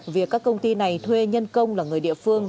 việc các công ty này thuê nhân công là người địa phương